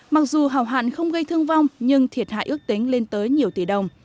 mặc dù hỏa hoạn không gây thương vong nhưng thiệt hại ước tính lên tới nhiều tỷ đồng